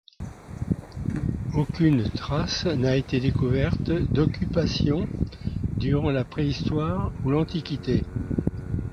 Aucune trace n'a été découverte d'occupation durant la préhistoire ou l'antiquité.